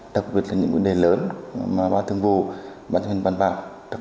đặc biệt là những vấn đề lớn mà ban thường vụ ban thường vụ bản bảo